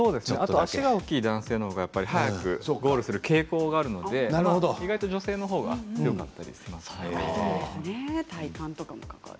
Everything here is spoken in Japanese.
足が大きい男性のほうが早くゴールする傾向があるので意外と女性のほうが強かったりします。